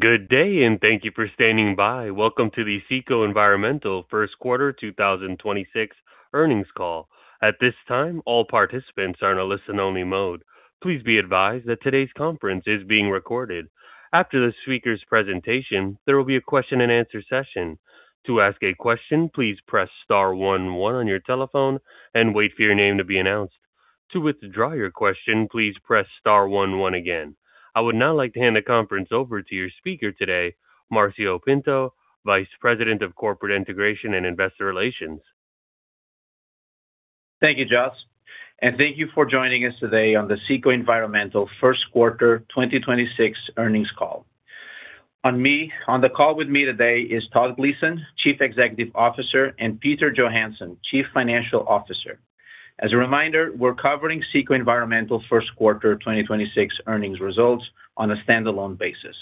Good day, and thank you for standing by. Welcome to the CECO Environmental First Quarter 2026 Earnings Call. At this time, all participants are in a listen only mode. Please be advised that today's conference is being recorded. After the speaker's presentation, there will be a question-and-answer session. To ask a question, please press star one one on your telephone and wait for your name to be announced. To withdraw your question, please press star one one again. I would now like to hand the conference over to your speaker today, Marcio Pinto, Vice President of Corporate Integration and Investor Relations. Thank you, Josh, and thank you for joining us today on the CECO Environmental first quarter 2026 earnings call. On the call with me today is Todd Gleason, Chief Executive Officer, and Peter Johansson, Chief Financial Officer. As a reminder, we're covering CECO Environmental first quarter 2026 earnings results on a standalone basis.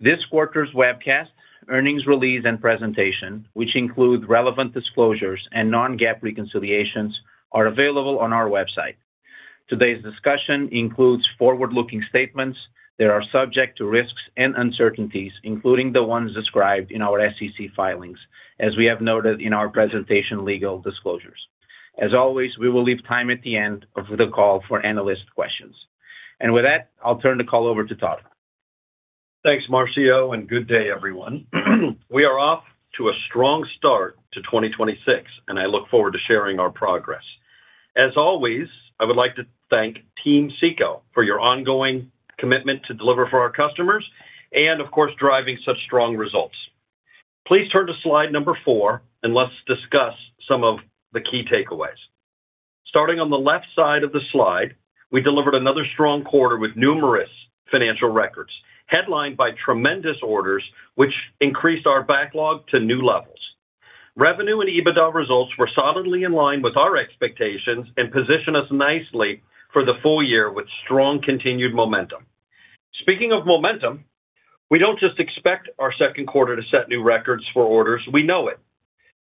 This quarter's webcast, earnings release, and presentation, which include relevant disclosures and non-GAAP reconciliations, are available on our website. Today's discussion includes forward-looking statements that are subject to risks and uncertainties, including the ones described in our SEC filings, as we have noted in our presentation legal disclosures. As always, we will leave time at the end of the call for analyst questions. With that, I'll turn the call over to Todd. Thanks, Marcio, and good day, everyone. We are off to a strong start to 2026, and I look forward to sharing our progress. As always, I would like to thank Team CECO for your ongoing commitment to deliver for our customers and of course, driving such strong results. Please turn to slide number four and let's discuss some of the key takeaways. Starting on the left side of the slide, we delivered another strong quarter with numerous financial records. Headlined by tremendous orders, which increased our backlog to new levels. Revenue and EBITDA results were solidly in line with our expectations and position us nicely for the full year with strong continued momentum. Speaking of momentum, we don't just expect our second quarter to set new records for orders, we know it.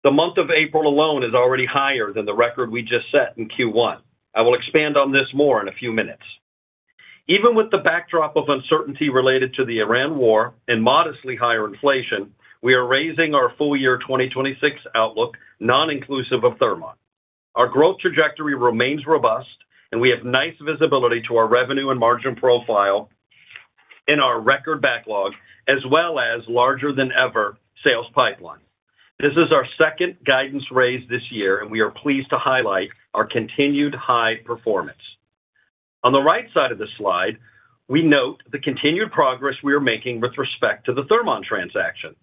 The month of April alone is already higher than the record we just set in Q1. I will expand on this more in a few minutes. Even with the backdrop of uncertainty related to the Iran war and modestly higher inflation, we are raising our full year 2026 outlook non-inclusive of Thermon. Our growth trajectory remains robust and we have nice visibility to our revenue and margin profile in our record backlog as well as larger than ever sales pipeline. This is our second guidance raise this year and we are pleased to highlight our continued high performance. On the right side of the slide, we note the continued progress we are making with respect to the Thermon transaction.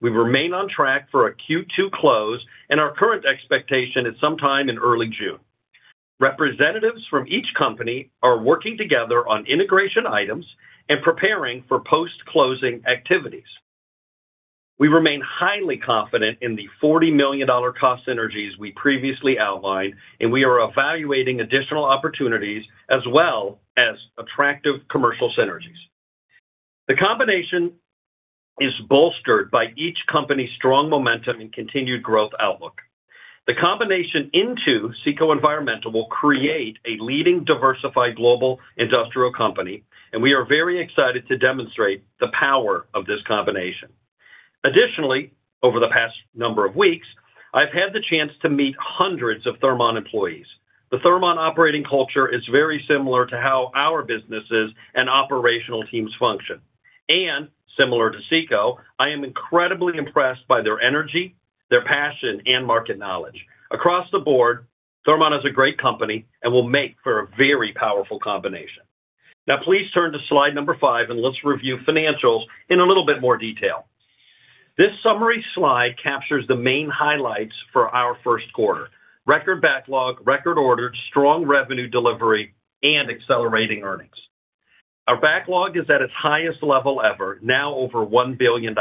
We remain on track for a Q2 close and our current expectation is sometime in early June. Representatives from each company are working together on integration items and preparing for post-closing activities. We remain highly confident in the $40 million cost synergies we previously outlined. We are evaluating additional opportunities as well as attractive commercial synergies. The combination is bolstered by each company's strong momentum and continued growth outlook. The combination into CECO Environmental will create a leading diversified global industrial company. We are very excited to demonstrate the power of this combination. Additionally, over the past number of weeks, I've had the chance to meet hundreds of Thermon employees. The Thermon operating culture is very similar to how our businesses and operational teams function. Similar to CECO, I am incredibly impressed by their energy, their passion, and market knowledge. Across the board, Thermon is a great company and will make for a very powerful combination. Now please turn to slide number five. Let's review financials in a little bit more detail. This summary slide captures the main highlights for our first quarter: record backlog, record orders, strong revenue delivery, and accelerating earnings. Our backlog is at its highest level ever, now over $1 billion,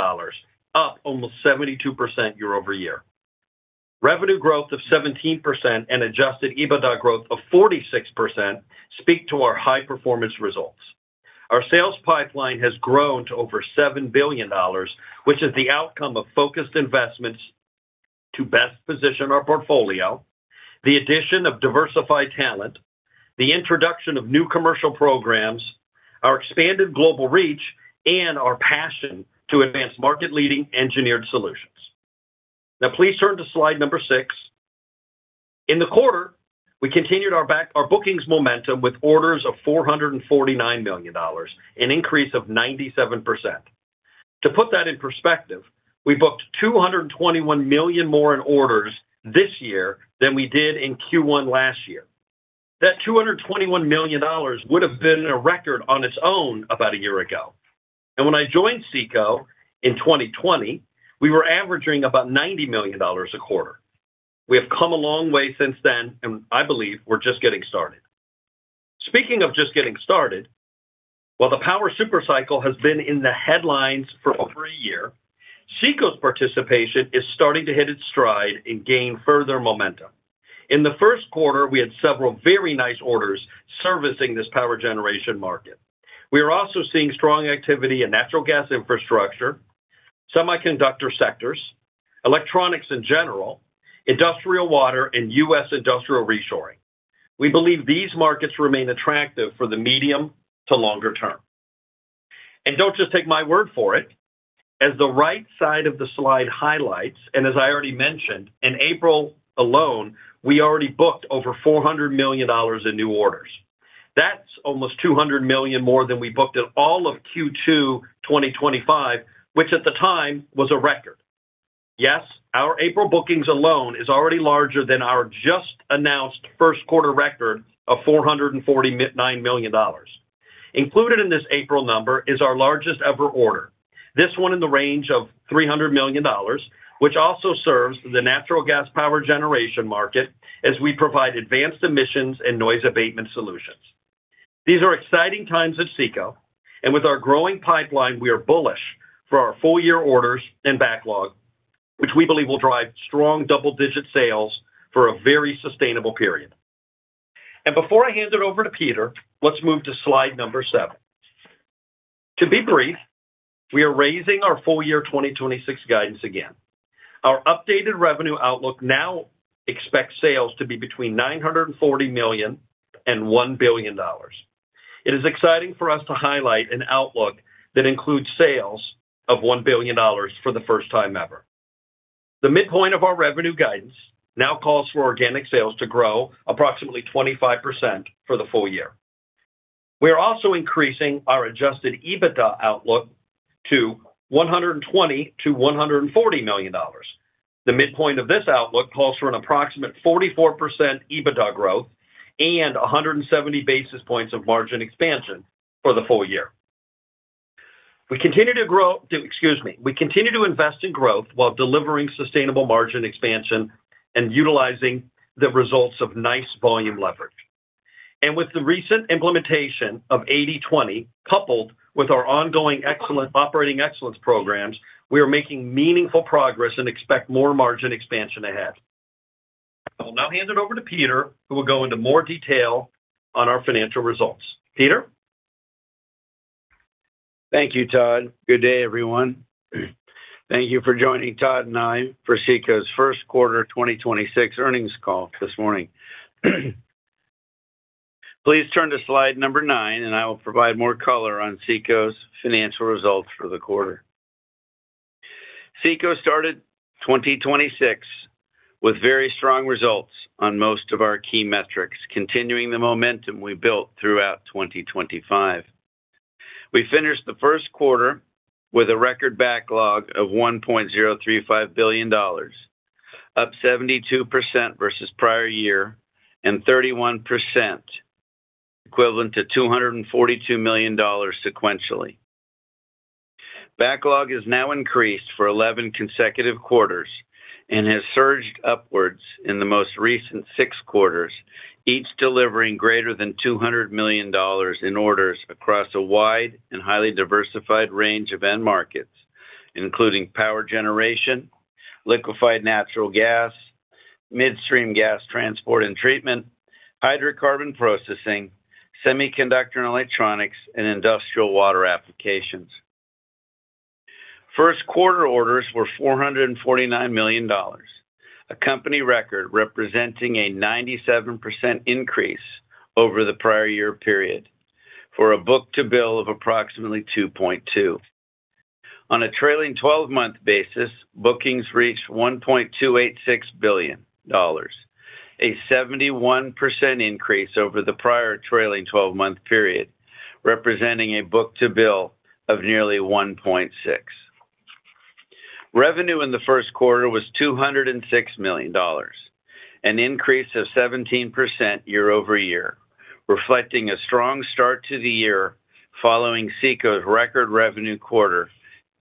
up almost 72% year-over-year. Revenue growth of 17% and adjusted EBITDA growth of 46% speak to our high-performance results. Our sales pipeline has grown to over $7 billion, which is the outcome of focused investments to best position our portfolio, the addition of diversified talent, the introduction of new commercial programs, our expanded global reach, and our passion to advance market-leading engineered solutions. Please turn to slide number six. In the quarter, we continued our bookings momentum with orders of $449 million, an increase of 97%. To put that in perspective, we booked 221 million more in orders this year than we did in Q1 last year. That $221 million would have been a record on its own about a year ago. When I joined CECO in 2020, we were averaging about $90 million a quarter. We have come a long way since then, and I believe we're just getting started. Speaking of just getting started, while the power super cycle has been in the headlines for over a year, CECO's participation is starting to hit its stride and gain further momentum. In the first quarter, we had several very nice orders servicing this power generation market. We are also seeing strong activity in natural gas infrastructure, semiconductor sectors, electronics in general, industrial water, and U.S. industrial reshoring. We believe these markets remain attractive for the medium to longer term. Don't just take my word for it. As the right side of the slide highlights, and as I already mentioned, in April alone, we already booked over $400 million in new orders. That's almost $200 million more than we booked in all of Q2 2025, which at the time was a record. Yes, our April bookings alone is already larger than our just-announced first quarter record of $449 million. Included in this April number is our largest-ever order. This one in the range of $300 million, which also serves the natural gas power generation market as we provide advanced emissions and noise abatement solutions. These are exciting times at CECO. With our growing pipeline, we are bullish for our full year orders and backlog, which we believe will drive strong double-digit sales for a very sustainable period. Before I hand it over to Peter, let's move to slide number seven. To be brief, we are raising our full year 2026 guidance again. Our updated revenue outlook now expects sales to be between $940 million and $1 billion. It is exciting for us to highlight an outlook that includes sales of $1 billion for the first time ever. The midpoint of our revenue guidance now calls for organic sales to grow approximately 25% for the full year. We are also increasing our adjusted EBITDA outlook to $120 million-$140 million. The midpoint of this outlook calls for an approximate 44% EBITDA growth and 170 basis points of margin expansion for the full year. We continue to, excuse me, we continue to invest in growth while delivering sustainable margin expansion and utilizing the results of nice volume leverage. With the recent implementation of 80/20 coupled with our ongoing operating excellence programs, we are making meaningful progress and expect more margin expansion ahead. I'll now hand it over to Peter, who will go into more detail on our financial results. Peter? Thank you, Todd. Good day, everyone. Thank you for joining Todd and I for CECO's first quarter 2026 earnings call this morning. Please turn to slide number nine, and I will provide more color on CECO's financial results for the quarter. CECO started 2026 with very strong results on most of our key metrics, continuing the momentum we built throughout 2025. We finished the first quarter with a record backlog of $1.035 billion, up 72% versus prior year and 31%, equivalent to $242 million sequentially. Backlog has now increased for 11 consecutive quarters and has surged upwards in the most recent six quarters, each delivering greater than $200 million in orders across a wide and highly diversified range of end markets, including power generation, liquefied natural gas, midstream gas transport and treatment, hydrocarbon processing, semiconductor and electronics, and industrial water applications. First quarter orders were $449 million, a company record representing a 97% increase over the prior year period for a book-to-bill of approximately 2.2x. On a trailing twelve-month basis, bookings reached $1.286 billion, a 71% increase over the prior trailing 12-month period, representing a book-to-bill of nearly 1.6x. Revenue in the first quarter was $206 million, an increase of 17% year-over-year, reflecting a strong start to the year following CECO's record revenue quarter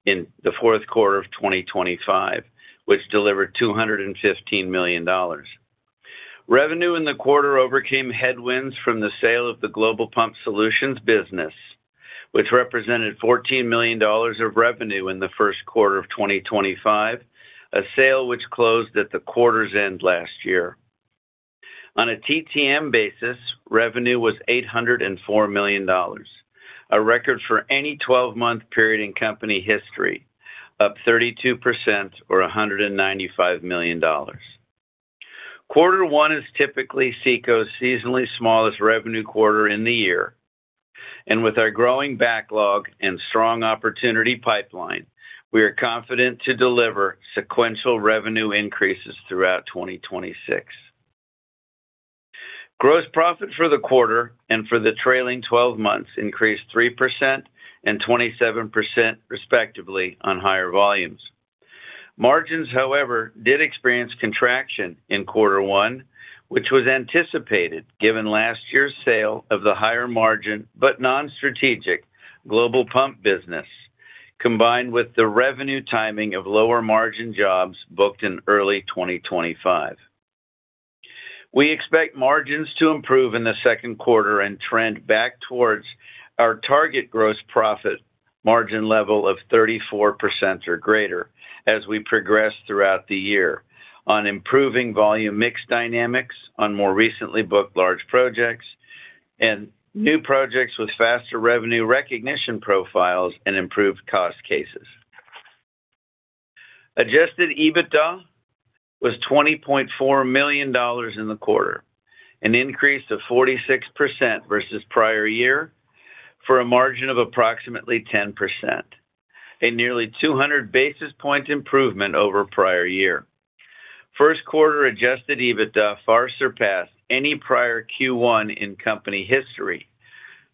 in the fourth quarter of 2025, which delivered $215 million. Revenue in the quarter overcame headwinds from the sale of the Global Pump Solutions business, which represented $14 million of revenue in the first quarter of 2025, a sale which closed at the quarter's end last year. On a TTM basis, revenue was $804 million, a record for any 12-month period in company history, up 32% or $195 million. Quarter one is typically CECO's seasonally smallest revenue quarter in the year, and with our growing backlog and strong opportunity pipeline, we are confident to deliver sequential revenue increases throughout 2026. Gross profit for the quarter and for the trailing 12 months increased 3% and 27% respectively on higher volumes. Margins, however, did experience contraction in quarter one, which was anticipated given last year's sale of the higher margin but non-strategic Global Pump business, combined with the revenue timing of lower margin jobs booked in early 2025. We expect margins to improve in the second quarter and trend back towards our target gross profit margin level of 34% or greater as we progress throughout the year on improving volume mix dynamics on more recently booked large projects. New projects with faster revenue recognition profiles and improved cost cases. Adjusted EBITDA was $20.4 million in the quarter, an increase of 46% versus prior year for a margin of approximately 10%. A nearly 200 basis point improvement over prior year. First quarter adjusted EBITDA far surpassed any prior Q1 in company history.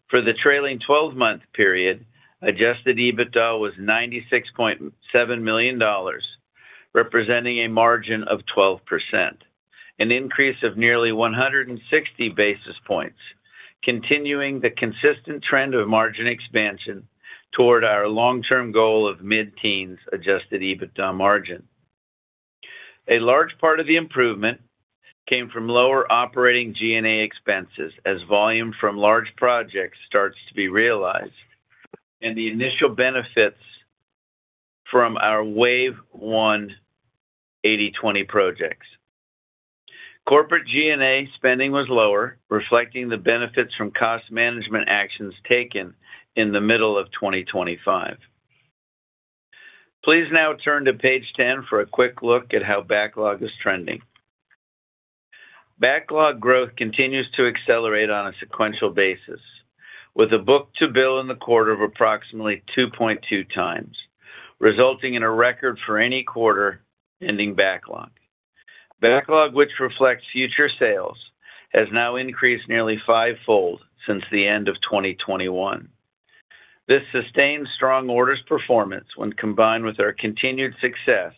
For the trailing 12-month period, adjusted EBITDA was $96.7 million, representing a margin of 12%, an increase of nearly 160 basis points, continuing the consistent trend of margin expansion toward our long-term goal of mid-teens adjusted EBITDA margin. A large part of the improvement came from lower operating G&A expenses as volume from large projects starts to be realized and the initial benefits from our Wave 1 80/20 projects. Corporate G&A spending was lower, reflecting the benefits from cost management actions taken in the middle of 2025. Please now turn to page 10 for a quick look at how backlog is trending. Backlog growth continues to accelerate on a sequential basis with a book-to-bill in the quarter of approximately 2.2x, resulting in a record for any quarter-ending backlog. Backlog, which reflects future sales, has now increased nearly five-fold since the end of 2021. This sustained strong orders performance when combined with our continued success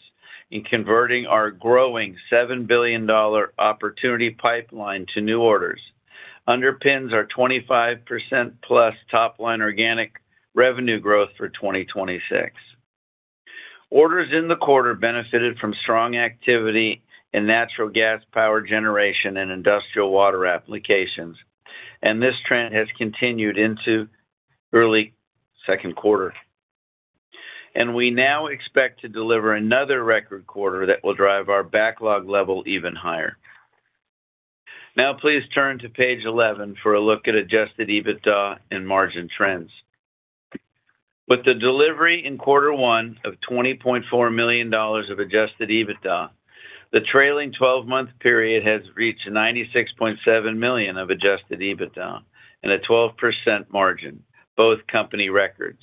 in converting our growing $7 billion opportunity pipeline to new orders underpins our 25%+ top-line organic revenue growth for 2026. Orders in the quarter benefited from strong activity in natural gas power generation and industrial water applications. This trend has continued into early second quarter. We now expect to deliver another record quarter that will drive our backlog level even higher. Now, please turn to page 11 for a look at adjusted EBITDA and margin trends. With the delivery in quarter one of $20.4 million of adjusted EBITDA, the trailing 12-month period has reached $96.7 million of adjusted EBITDA and a 12% margin, both company records.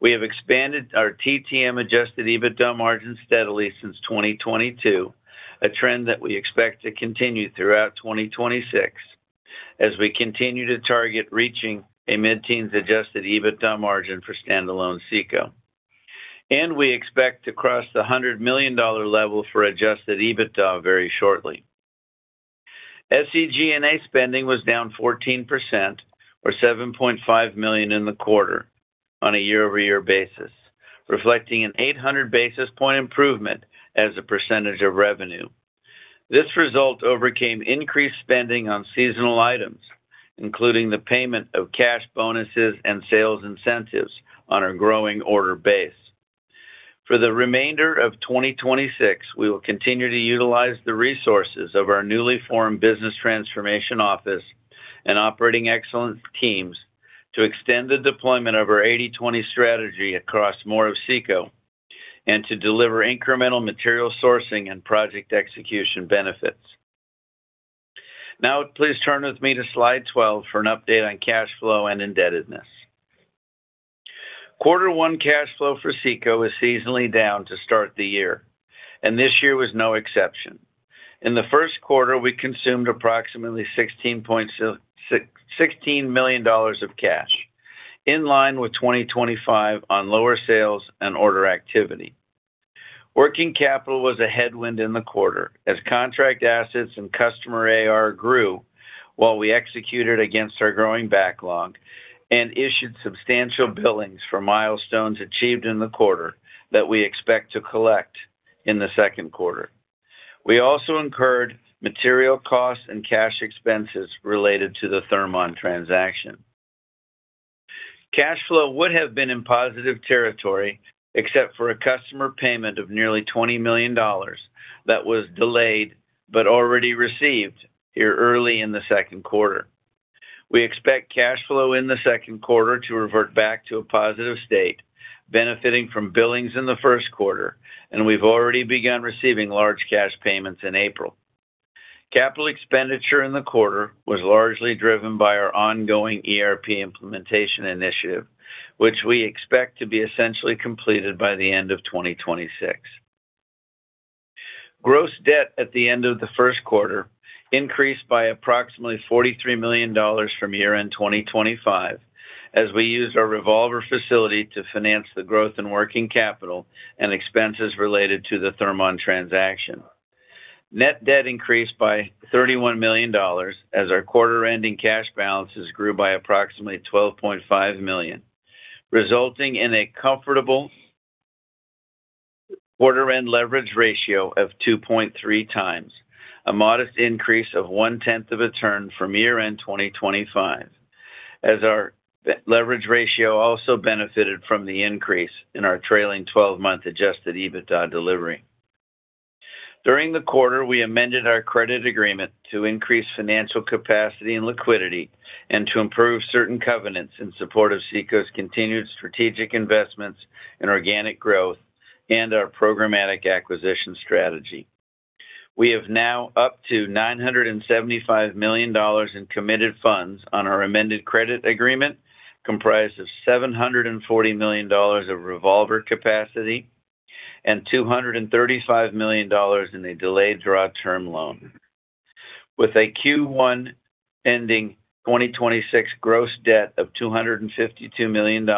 We have expanded our TTM adjusted EBITDA margin steadily since 2022, a trend that we expect to continue throughout 2026 as we continue to target reaching a mid-teens adjusted EBITDA margin for standalone CECO. We expect to cross the $100 million level for adjusted EBITDA very shortly. SG&A spending was down 14% or $7.5 million in the quarter on a year-over-year basis, reflecting an 800 basis point improvement as a percentage of revenue. This result overcame increased spending on seasonal items, including the payment of cash bonuses and sales incentives on our growing order base. For the remainder of 2026, we will continue to utilize the resources of our newly formed business transformation office and operating excellence teams to extend the deployment of our 80/20 strategy across more of CECO and to deliver incremental material sourcing and project execution benefits. Now, please turn with me to slide 12 for an update on cash flow and indebtedness. Quarter one cash flow for CECO is seasonally down to start the year, and this year was no exception. In the first quarter, we consumed approximately $16 million of cash, in line with 2025 on lower sales and order activity. Working capital was a headwind in the quarter as contract assets and customer AR grew while we executed against our growing backlog and issued substantial billings for milestones achieved in the quarter that we expect to collect in the second quarter. We also incurred material costs and cash expenses related to the Thermon transaction. Cash flow would have been in positive territory except for a customer payment of nearly $20 million that was delayed but already received here early in the second quarter. We expect cash flow in the second quarter to revert back to a positive state, benefiting from billings in the first quarter, and we've already begun receiving large cash payments in April. Capital expenditure in the quarter was largely driven by our ongoing ERP implementation initiative, which we expect to be essentially completed by the end of 2026. Gross debt at the end of the first quarter increased by approximately $43 million from year-end 2025 as we used our revolver facility to finance the growth in working capital and expenses related to the Thermon transaction. Net debt increased by $31 million as our quarter-ending cash balances grew by approximately $12.5 million, resulting in a comfortable quarter-end leverage ratio of 2.3x, a modest increase of one-tenth of a turn from year-end 2025, as our leverage ratio also benefited from the increase in our trailing-12-month adjusted EBITDA delivery. During the quarter, we amended our credit agreement to increase financial capacity and liquidity and to improve certain covenants in support of CECO's continued strategic investments and organic growth and our programmatic acquisition strategy. We have now up to $975 million in committed funds on our amended credit agreement, comprised of $740 million of revolver capacity and $235 million in a delayed draw term loan. With a Q1 ending 2026 gross debt of $252 million,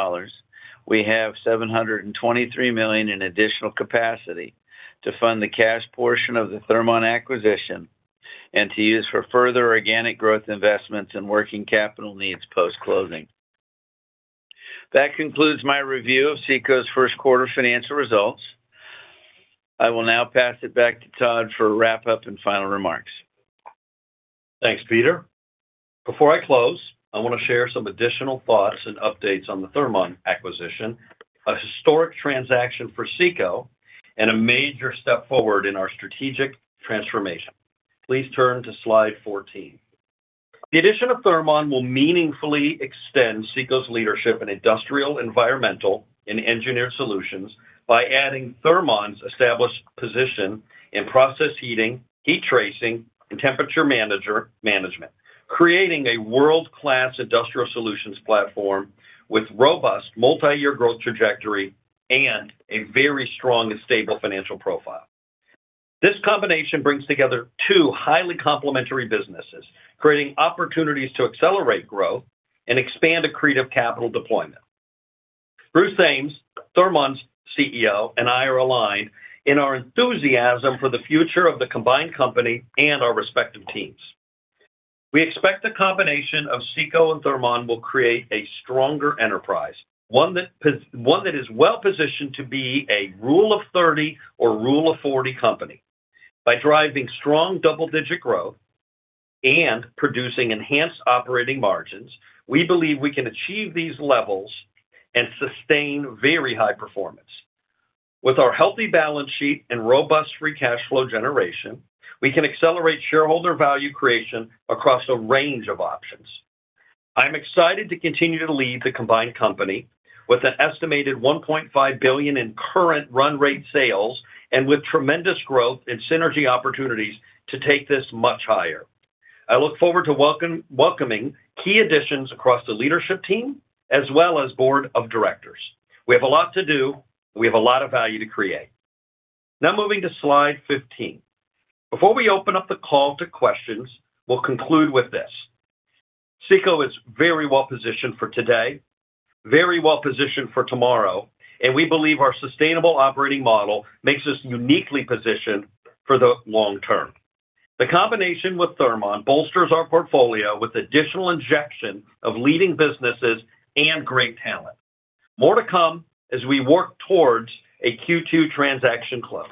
we have $723 million in additional capacity to fund the cash portion of the Thermon acquisition and to use for further organic growth investments and working capital needs post-closing. That concludes my review of CECO's first quarter financial results. I will now pass it back to Todd for wrap up and final remarks. Thanks, Peter. Before I close, I want to share some additional thoughts and updates on the Thermon acquisition, a historic transaction for CECO, and a major step forward in our strategic transformation. Please turn to slide 14. The addition of Thermon will meaningfully extend CECO's leadership in industrial, environmental, and engineered solutions by adding Thermon's established position in process heating, heat tracing, and temperature management, creating a world-class industrial solutions platform with robust multi-year growth trajectory and a very strong and stable financial profile. This combination brings together two highly complementary businesses, creating opportunities to accelerate growth and expand accretive capital deployment. Bruce Thames, Thermon's CEO, and I are aligned in our enthusiasm for the future of the combined company and our respective teams. We expect the combination of CECO and Thermon will create a stronger enterprise, one that is well-positioned to be a rule of 30 or rule of 40 company. By driving strong double-digit growth and producing enhanced operating margins, we believe we can achieve these levels and sustain very high performance. With our healthy balance sheet and robust free cash flow generation, we can accelerate shareholder value creation across a range of options. I'm excited to continue to lead the combined company with an estimated $1.5 billion in current run rate sales and with tremendous growth and synergy opportunities to take this much higher. I look forward to welcoming key additions across the leadership team as well as Board of Directors. We have a lot to do. We have a lot of value to create. Moving to slide 15. Before we open up the call to questions, we'll conclude with this. CECO is very well-positioned for today, very well-positioned for tomorrow, and we believe our sustainable operating model makes us uniquely positioned for the long term. The combination with Thermon bolsters our portfolio with additional injection of leading businesses and great talent. More to come as we work towards a Q2 transaction close.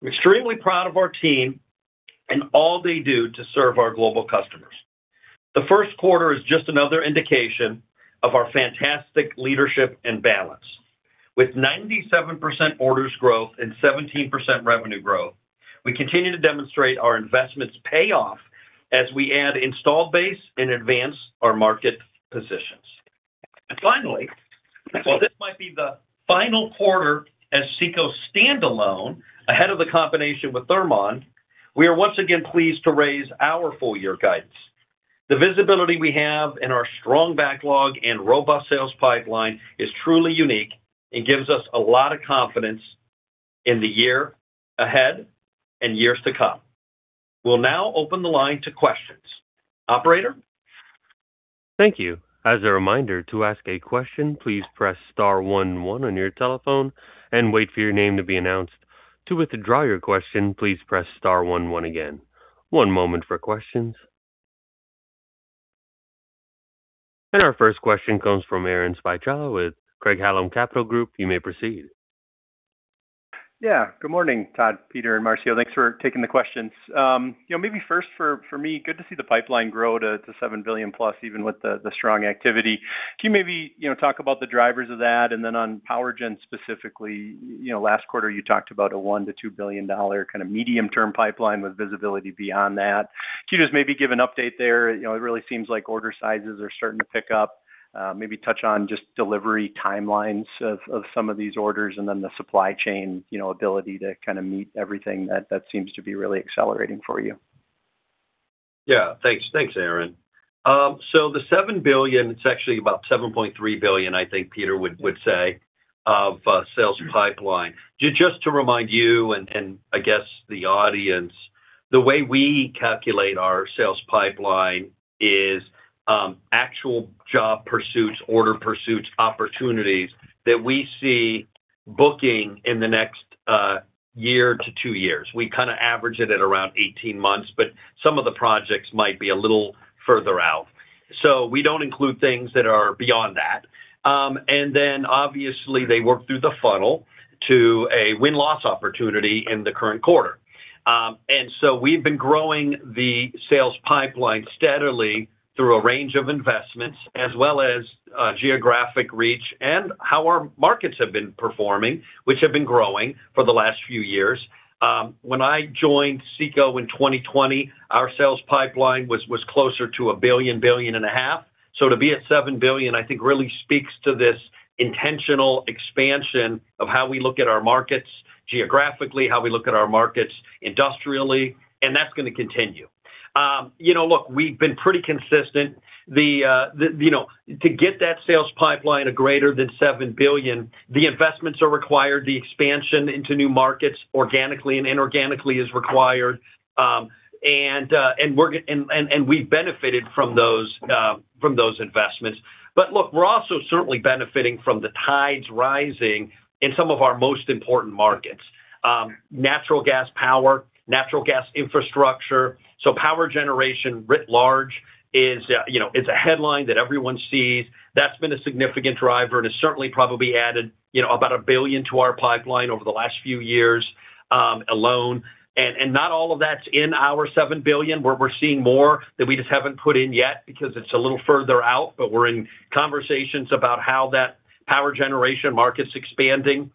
I'm extremely proud of our team and all they do to serve our global customers. The first quarter is just another indication of our fantastic leadership and balance. With 97% orders growth and 17% revenue growth, we continue to demonstrate our investments pay off as we add install base and advance our market positions. Finally, while this might be the final quarter as CECO standalone ahead of the combination with Thermon, we are once again pleased to raise our full year guidance. The visibility we have and our strong backlog and robust sales pipeline is truly unique and gives us a lot of confidence in the year ahead and years to come. We will now open the line to questions. Operator? Thank you. As a reminder to ask a question please press star one one on your telephone and wait for your name to be announced. To wiithdraw your question please press star one one again. One moment for questions. Our first question comes from Aaron Spychalla with Craig-Hallum Capital Group. You may proceed. Yeah, good morning, Todd, Peter, and Marcio. Thanks for taking the questions. You know, maybe first for me, good to see the pipeline grow to $7+ billion even with the strong activity. Can you maybe, you know, talk about the drivers of that? Then on PowerGen specifically, you know, last quarter, you talked about a $1 billion-$2 billion kind of medium-term pipeline with visibility beyond that. Can you just maybe give an update there? You know, it really seems like order sizes are starting to pick up. Maybe touch on just delivery timelines of some of these orders and then the supply chain, you know, ability to kind of meet everything that seems to be really accelerating for you. Thanks. Thanks, Aaron. The $7 billion, it's actually about $7.3 billion, I think Peter would say, of sales pipeline. Just to remind you and I guess the audience, the way we calculate our sales pipeline is actual job pursuits, order pursuits, opportunities that we see booking in the next year to two years. We kind of average it at around 18 months, but some of the projects might be a little further out. We don't include things that are beyond that. Obviously, they work through the funnel to a win-loss opportunity in the current quarter. We've been growing the sales pipeline steadily through a range of investments as well as geographic reach and how our markets have been performing, which have been growing for the last few years. When I joined CECO in 2020, our sales pipeline was closer to $1 billion, $1.5 billion. To be at $7 billion, I think really speaks to this intentional expansion of how we look at our markets geographically, how we look at our markets industrially, and that's going to continue. You know, look, we've been pretty consistent. The, you know, to get that sales pipeline a greater than $7 billion, the investments are required, the expansion into new markets organically and inorganically is required. We benefited from those from those investments. Look, we're also certainly benefiting from the tides rising in some of our most important markets. Natural gas power, natural gas infrastructure, power generation writ large is, you know, is a headline that everyone sees. That's been a significant driver, it's certainly probably added, you know, about $1 billion to our pipeline over the last few years alone. Not all of that's in our $7 billion, where we're seeing more that we just haven't put in yet because it's a little further out, but we're in conversations about how that power generation market's expanding.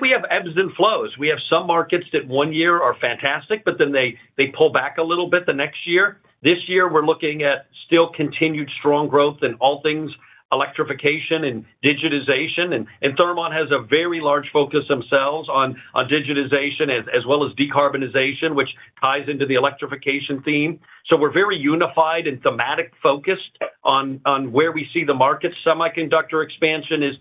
We have ebbs and flows. We have some markets that one year are fantastic, but then they pull back a little bit the next year. This year, we're looking at still continued strong growth in all things electrification and digitization. Thermon has a very large focus themselves on digitization as well as decarbonization, which ties into the electrification theme. We're very unified and thematic focused on where we see the market. Semiconductor expansion is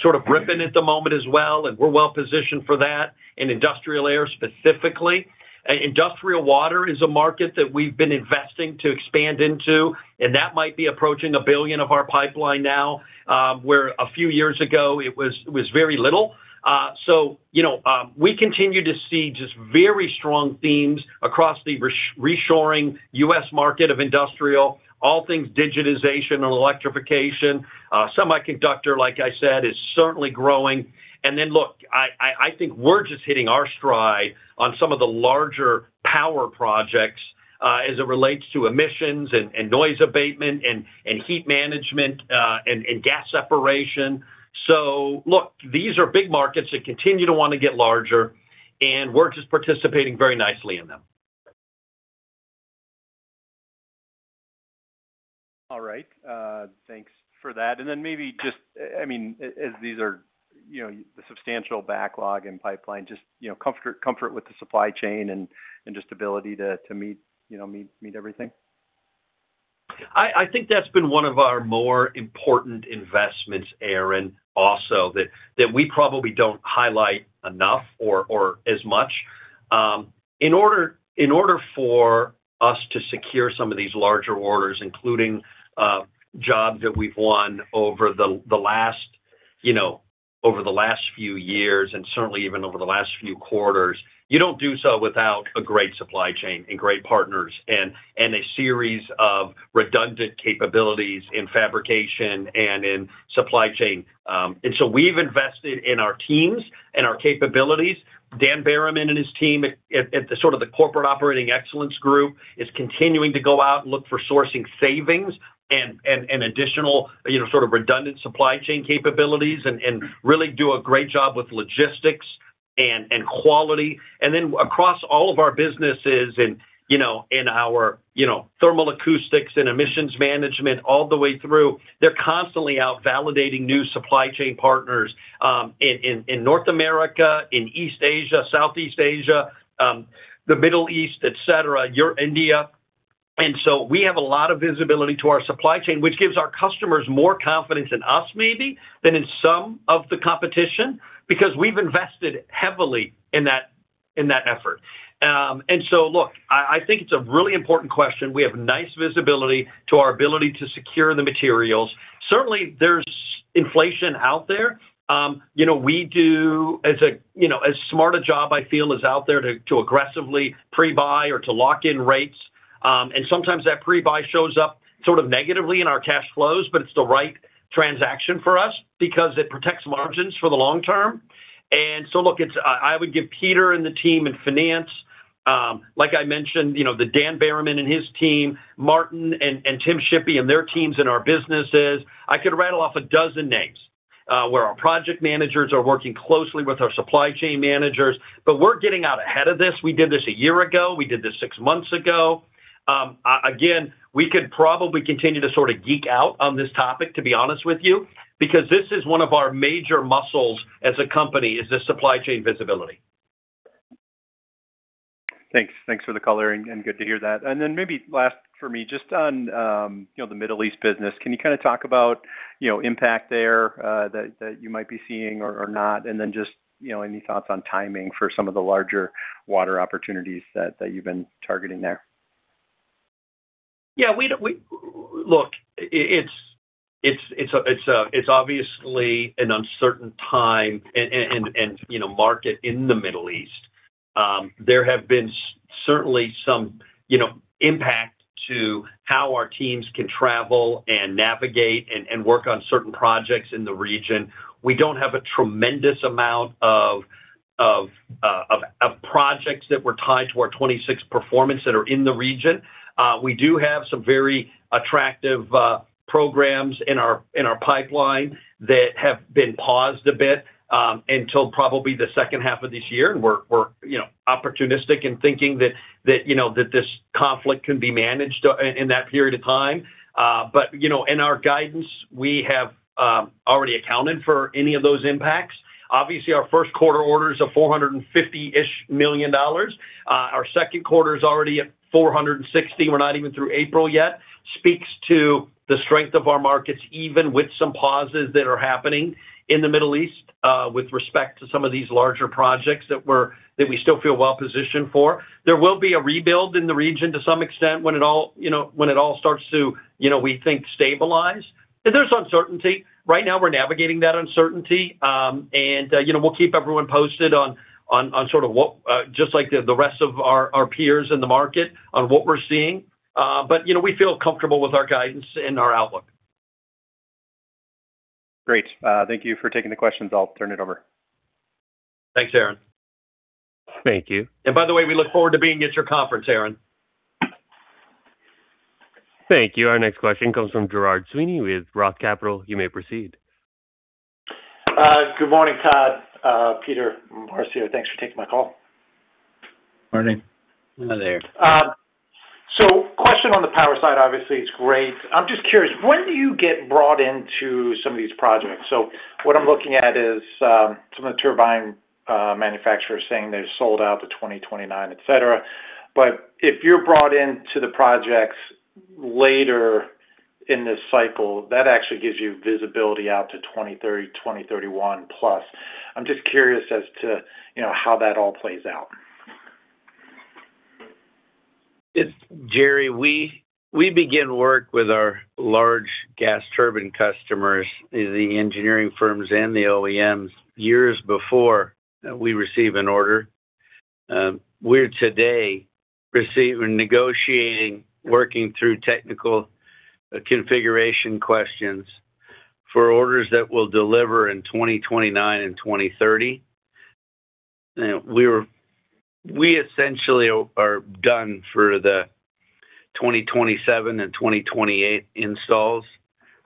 sort of ripping at the moment as well. We're well positioned for that in industrial air specifically. Industrial water is a market that we've been investing to expand into, and that might be approaching $1 billion of our pipeline now, where a few years ago it was very little. You know, we continue to see just very strong themes across the reshoring U.S. market of industrial, all things digitization and electrification. Semiconductor, like I said, is certainly growing. Look, I think we're just hitting our stride on some of the larger power projects as it relates to emissions and noise abatement and heat management and gas separation. Look, these are big markets that continue to want to get larger. We're just participating very nicely in them. All right. thanks for that. Then maybe just, I mean, as these are, you know, the substantial backlog and pipeline just, you know, comfort with the supply chain and just ability to meet, you know, everything? I think that's been one of our more important investments, Aaron, also that we probably don't highlight enough or as much. In order for us to secure some of these larger orders, including jobs that we've won over the last, you know, over the last few years and certainly even over the last few quarters, you don't do so without a great supply chain and great partners and a series of redundant capabilities in fabrication and in supply chain. We've invested in our teams and our capabilities. Dan Berryman and his team at the sort of the corporate operating excellence group is continuing to go out and look for sourcing savings and additional, you know, sort of redundant supply chain capabilities and really do a great job with logistics and quality. Across all of our businesses and, you know, in our, you know, thermal acoustics and emissions management all the way through, they're constantly out validating new supply chain partners in North America, in East Asia, Southeast Asia, the Middle East, et cetera, India. We have a lot of visibility to our supply chain, which gives our customers more confidence in us maybe than in some of the competition because we've invested heavily in that effort. Look, I think it's a really important question. We have nice visibility to our ability to secure the materials. Certainly, there's inflation out there. You know, we do as a, you know, as smart a job I feel is out there to aggressively pre-buy or to lock in rates. Sometimes that pre-buy shows up sort of negatively in our cash flows, but it's the right transaction for us because it protects margins for the long term. Look, it's, I would give Peter and the team in finance, like I mentioned, you know, Dan Berryman and his team, Martin and Tim Shippy and their teams in our businesses. I could rattle off 12 names, where our project managers are working closely with our supply chain managers. We're getting out ahead of this. We did this a year ago. We did this six months ago. Again, we could probably continue to sort of geek out on this topic, to be honest with you, because this is one of our major muscles as a company, is the supply chain visibility. Thanks. Thanks for the color and good to hear that. Maybe last for me, just on, you know, the Middle East business, can you kind of talk about, you know, impact there that you might be seeing or not? Just, you know, any thoughts on timing for some of the larger water opportunities that you've been targeting there? Yeah, it's obviously an uncertain time and, you know, market in the Middle East. There have been certainly some, you know, impact to how our teams can travel and navigate and work on certain projects in the region. We don't have a tremendous amount of projects that were tied to our 2026 performance that are in the region. We do have some very attractive programs in our pipeline that have been paused a bit until probably the second half of this year. We're, you know, opportunistic in thinking that, you know, that this conflict can be managed in that period of time. You know, in our guidance, we have already accounted for any of those impacts. Obviously, our first quarter orders of $450-ish million. Our second quarter is already at $460 million, we're not even through April yet, speaks to the strength of our markets, even with some pauses that are happening in the Middle East, with respect to some of these larger projects that we still feel well-positioned for. There will be a rebuild in the region to some extent when it all, you know, when it all starts to, you know, we think stabilize. There's uncertainty. Right now, we're navigating that uncertainty. You know, we'll keep everyone posted on sort of what, just like the rest of our peers in the market on what we're seeing. You know, we feel comfortable with our guidance and our outlook. Great. Thank you for taking the questions. I'll turn it over. Thanks, Aaron. Thank you. By the way, we look forward to being at your conference, Aaron. Thank you. Our next question comes from Gerard Sweeney with Roth Capital. You may proceed. Good morning, Todd, Peter, Marcio, thanks for taking my call. Morning. Hi there. Question on the power side, obviously it's great. I'm just curious, when do you get brought into some of these projects? What I'm looking at is, some of the turbine manufacturers saying they're sold out to 2029, et cetera. If you're brought into the projects later in this cycle, that actually gives you visibility out to 2030, 2031+. I'm just curious as to, you know, how that all plays out. Gerry, we begin work with our large gas turbine customers, the engineering firms and the OEMs, years before we receive an order. We're today receiving, negotiating, working through technical configuration questions for orders that will deliver in 2029 and 2030. We essentially are done for the 2027 and 2028 installs.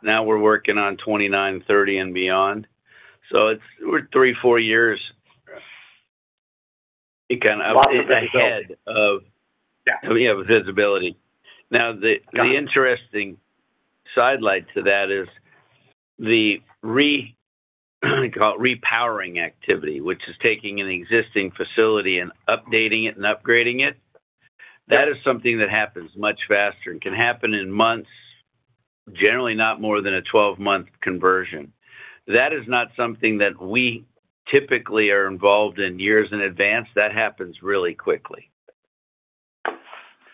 Now we're working on 2029, 2030 and beyond. We're three, four years. Lots of that. ahead of Yeah we have visibility. Got it. the interesting sidelight to that is the call it repowering activity, which is taking an existing facility and updating it and upgrading it. Yeah. That is something that happens much faster and can happen in months, generally not more than a 12-month conversion. That is not something that we typically are involved in years in advance. That happens really quickly.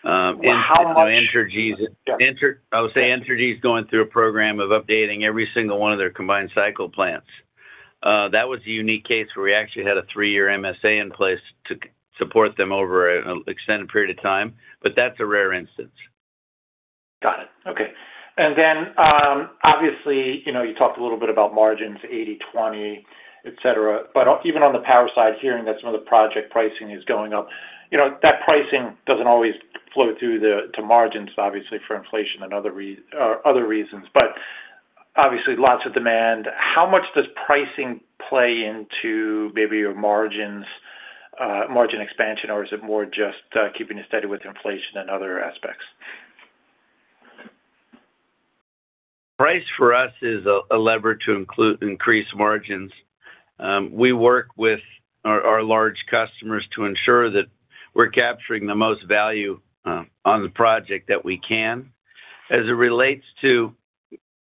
Well. Entergy is it. I would say Entergy is going through a program of updating every single one of their combined cycle plants. That was a unique case where we actually had a three-year MSA in place to support them over an extended period of time, but that's a rare instance. Got it. Okay. Obviously, you know, you talked a little bit about margins, 80/20, et cetera. Even on the power side, hearing that some of the project pricing is going up, you know, that pricing doesn't always flow through to margins, obviously, for inflation and other reasons, but obviously lots of demand. How much does pricing play into maybe your margins, margin expansion, or is it more just keeping it steady with inflation and other aspects? Price for us is a lever to increase margins. We work with our large customers to ensure that we're capturing the most value on the project that we can. As it relates to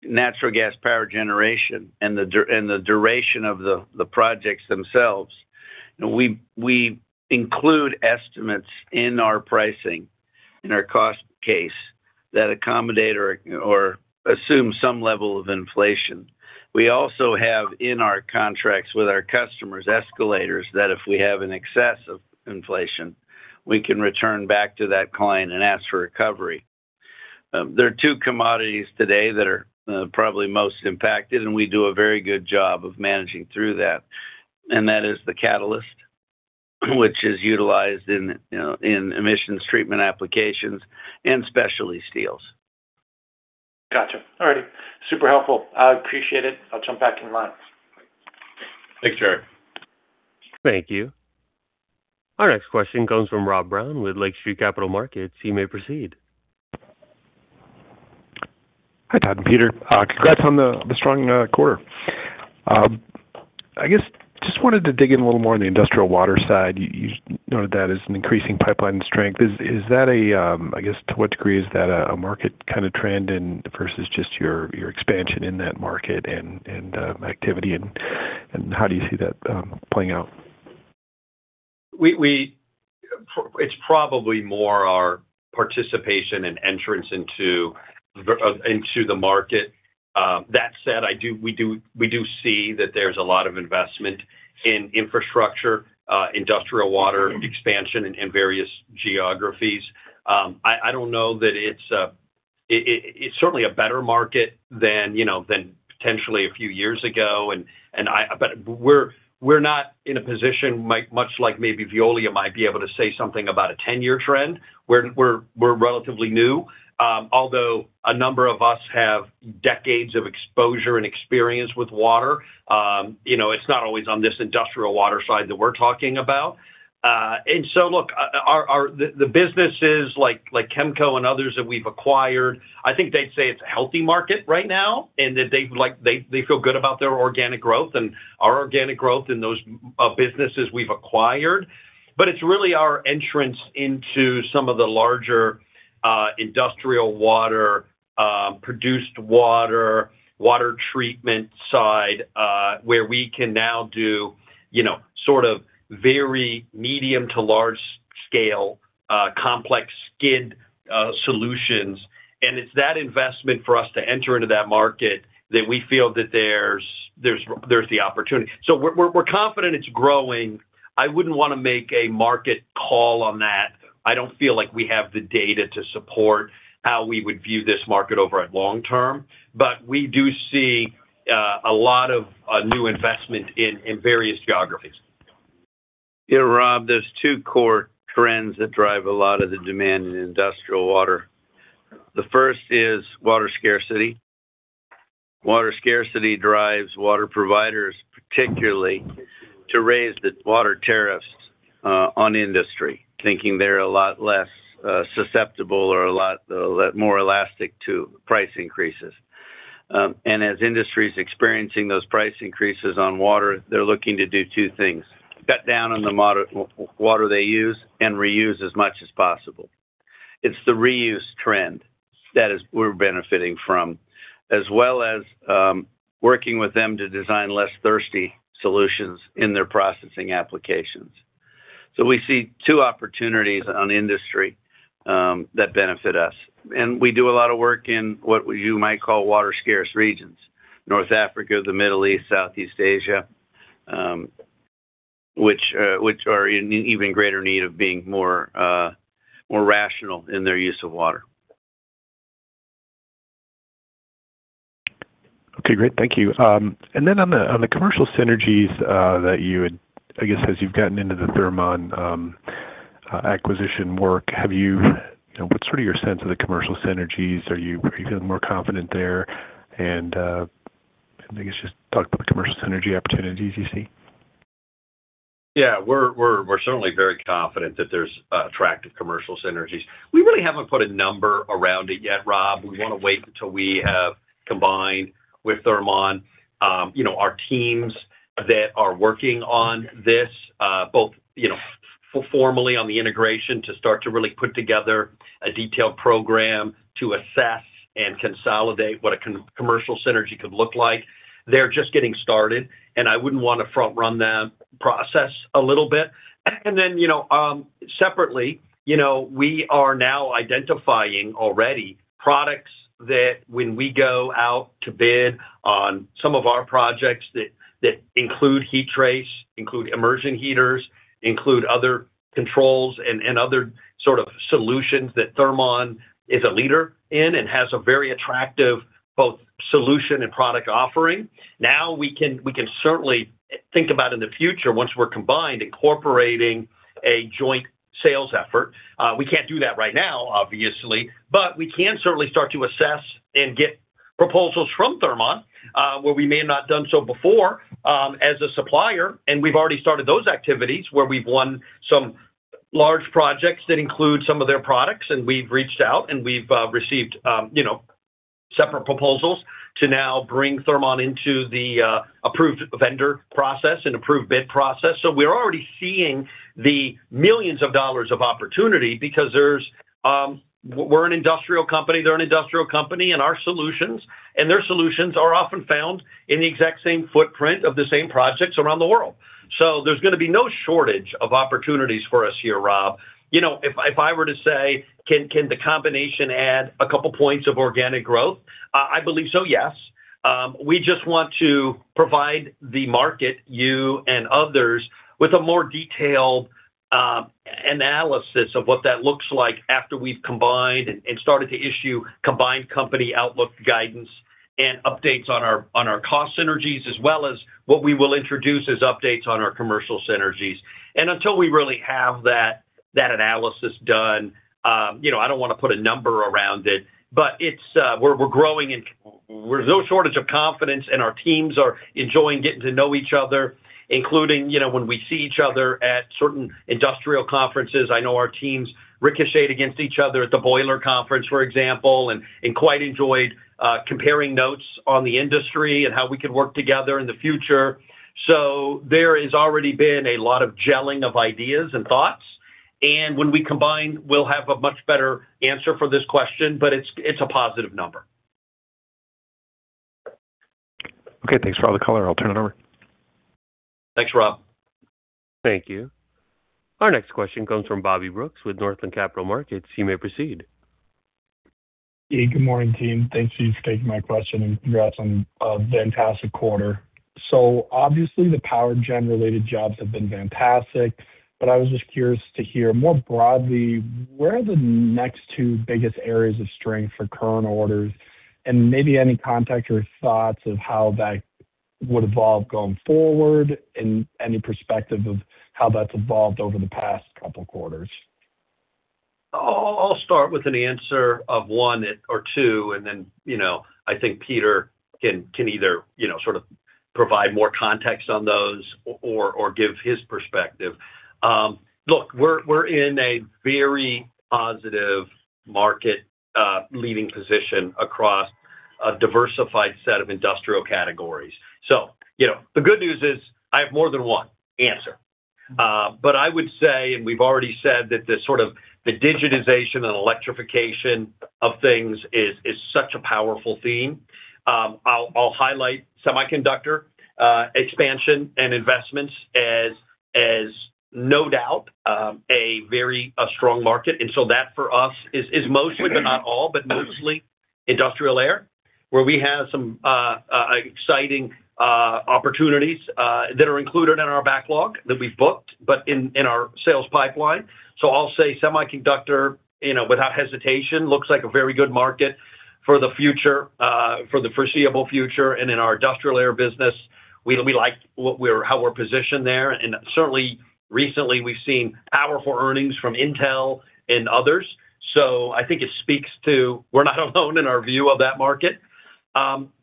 natural gas power generation and the duration of the projects themselves, we include estimates in our pricing, in our cost case that accommodate or assume some level of inflation. We also have in our contracts with our customers escalators that if we have an excess of inflation, we can return back to that client and ask for recovery. There are two commodities today that are probably most impacted, and we do a very good job of managing through that. That is the catalyst, which is utilized in, you know, in emissions treatment applications and specialty steels. Got you. All right. Super helpful. I appreciate it. I'll jump back in line. Thanks, Gerard. Thank you. Our next question comes from Rob Brown with Lake Street Capital Markets. You may proceed. Hi, Todd and Peter. Congrats on the strong quarter. I guess, just wanted to dig in a little more on the industrial water side. You noted that as an increasing pipeline strength. Is that a, I guess, to what degree is that a market kind of trend in versus just your expansion in that market and activity and how do you see that playing out? It's probably more our participation and entrance into the market. That said, we do see that there's a lot of investment in infrastructure, industrial water expansion in various geographies. I don't know that it's. It's certainly a better market than, you know, than potentially a few years ago, but we're not in a position much like maybe Veolia might be able to say something about a 10-year trend. We're relatively new. Although a number of us have decades of exposure and experience with water, you know, it's not always on this industrial water side that we're talking about. The businesses like Kemco and others that we've acquired, I think they'd say it's a healthy market right now, and that they, like, feel good about their organic growth and our organic growth in those businesses we've acquired. It's really our entrance into some of the larger industrial water, produced water treatment side, where we can now do, you know, sort of very medium to large scale, complex skid solutions. It's that investment for us to enter into that market that we feel that there's the opportunity. We're confident it's growing. I wouldn't want to make a market call on that. I don't feel like we have the data to support how we would view this market over a long term. We do see a lot of new investment in various geographies. Rob, there's two core trends that drive a lot of the demand in industrial water. The first is water scarcity. Water scarcity drives water providers, particularly to raise the water tariffs on industry, thinking they're a lot less susceptible or a lot more elastic to price increases. As industry is experiencing those price increases on water, they're looking to do two things: cut down on the more water they use and reuse as much as possible. It's the reuse trend that we're benefiting from, as well as, working with them to design less thirsty solutions in their processing applications. We see two opportunities on industry that benefit us. We do a lot of work in what you might call water scarce regions, North Africa, the Middle East, Southeast Asia, which are in even greater need of being more, more rational in their use of water. Okay, great. Thank you. Then on the commercial synergies, that you had, I guess, as you've gotten into the Thermon acquisition work, have you know, what's sort of your sense of the commercial synergies? Are you feeling more confident there? I guess just talk about the commercial synergy opportunities you see. Yeah. We're certainly very confident that there's attractive commercial synergies. We really haven't put a number around it yet, Rob. We want to wait until we have combined with Thermon, you know, our teams that are working on this, both, you know, for formally on the integration to start to really put together a detailed program to assess and consolidate what a commercial synergy could look like. They're just getting started, and I wouldn't want to front-run that process a little bit. Separately, you know, we are now identifying already products that when we go out to bid on some of our projects that include heat trace, include immersion heaters, include other controls and other sort of solutions that Thermon is a leader in and has a very attractive both solution and product offering. We can certainly think about in the future once we're combined, incorporating a joint sales effort. We can't do that right now, obviously, we can certainly start to assess and get proposals from Thermon, where we may have not done so before, as a supplier. We've already started those activities where we've won some large projects that include some of their products, and we've reached out and we've received, you know, separate proposals to now bring Thermon into the approved vendor process and approved bid process. We're already seeing the millions of dollars of opportunity because there's, we're an industrial company, they're an industrial company, and our solutions and their solutions are often found in the exact same footprint of the same projects around the world. There's going to be no shortage of opportunities for us here, Rob. You know, if I were to say, can the combination add a couple points of organic growth? I believe so, yes. We just want to provide the market, you and others, with a more detailed analysis of what that looks like after we've combined and started to issue combined company outlook guidance and updates on our cost synergies, as well as what we will introduce as updates on our commercial synergies. Until we really have that analysis done, you know, I don't want to put a number around it, but it's, we're growing and we're no shortage of confidence, and our teams are enjoying getting to know each other, including, you know, when we see each other at certain industrial conferences. I know our teams ricocheted against each other at the boiler conference, for example, and quite enjoyed comparing notes on the industry and how we could work together in the future. There has already been a lot of gelling of ideas and thoughts, and when we combine, we'll have a much better answer for this question, but it's a positive number. Okay, thanks, Todd. color, I'll turn it over. Thanks, Rob. Thank you. Our next question comes from Bobby Brooks with Northland Capital Markets. You may proceed. Yeah. Good morning, team. Thanks for taking my question, and congrats on a fantastic quarter. Obviously, the power gen related jobs have been fantastic. I was just curious to hear more broadly, where are the next two biggest areas of strength for current orders? Maybe any context or thoughts of how that would evolve going forward, and any perspective of how that's evolved over the past couple quarters. I'll start with an answer of one or two, and then, you know, I think Peter can either, you know, sort of provide more context on those or give his perspective. Look, we're in a very positive market, leading position across a diversified set of industrial categories. You know, the good news is I have more than one answer. I would say, and we've already said that the sort of the digitization and electrification of things is such a powerful theme. I'll highlight semiconductor expansion and investments as no doubt a very strong market. That for us is mostly, but not all, but mostly industrial air, where we have some exciting opportunities that are included in our backlog that we've booked, but in our sales pipeline. I'll say semiconductor, you know, without hesitation, looks like a very good market for the future, for the foreseeable future. In our industrial air business, we like how we're positioned there. Certainly, recently, we've seen powerful earnings from Intel and others. I think it speaks to we're not alone in our view of that market.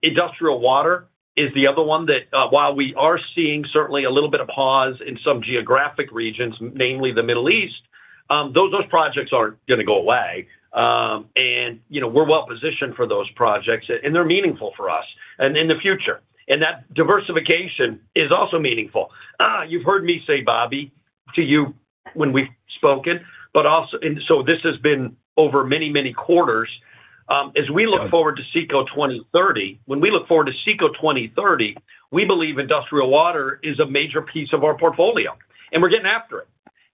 Industrial water is the other one that, while we are seeing certainly a little bit of pause in some geographic regions, namely the Middle East, those projects aren't going to go away. You know, we're well-positioned for those projects, and they're meaningful for us and in the future. That diversification is also meaningful. You've heard me say, Bobby, to you when we've spoken, this has been over many quarters. When we look forward to CECO 2030, we believe industrial water is a major piece of our portfolio, and we're getting after it,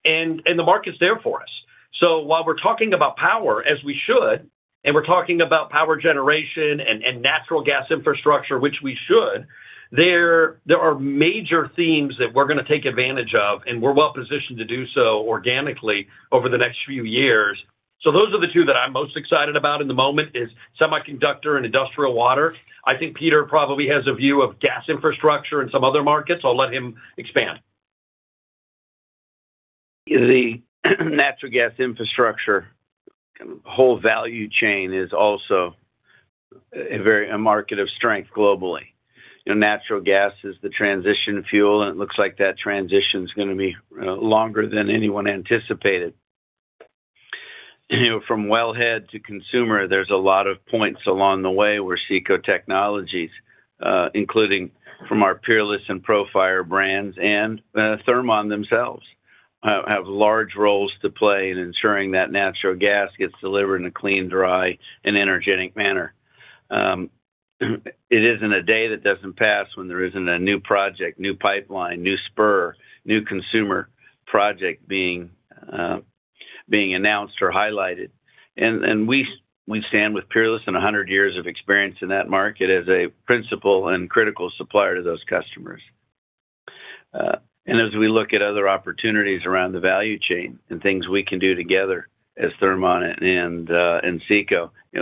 and the market's there for us. While we're talking about power, as we should, and we're talking about power generation and natural gas infrastructure, which we should, there are major themes that we're going to take advantage of, and we're well-positioned to do so organically over the next few years. Those are the two that I'm most excited about in the moment is semiconductor and industrial water. I think Peter probably has a view of gas infrastructure and some other markets. I'll let him expand. The natural gas infrastructure kind of whole value chain is also a market of strength globally. You know, natural gas is the transition fuel. It looks like that transition is going to be longer than anyone anticipated. You know, from wellhead to consumer, there's a lot of points along the way where CECO technologies, including from our Peerless and Profire brands and Thermon themselves, have large roles to play in ensuring that natural gas gets delivered in a clean, dry, and energetic manner. It isn't a day that doesn't pass when there isn't a new project, new pipeline, new spur, new consumer project being announced or highlighted. We stand with Peerless and 100 years of experience in that market as a principal and critical supplier to those customers. As we look at other opportunities around the value chain and things we can do together as Thermon and CECO, you